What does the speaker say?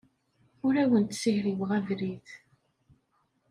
Ur awent-ssihriweɣ abrid.